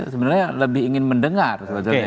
sebenarnya lebih ingin mendengar sebetulnya